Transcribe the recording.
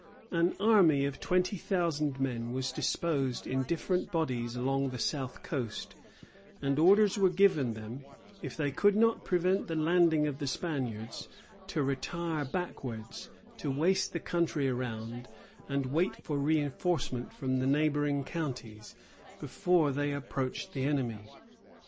An army of twenty thousand men was disposed in different bodies along the south coast; and orders were given them, if they could not prevent the landing of the Spaniards, to retire backwards, to waste the country around, and to wait for reenforcement from the neighboring counties, before they approached the enemy.